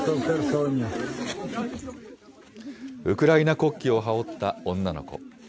ウクライナ国旗を羽織った女の子。